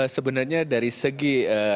sebenarnya dari segi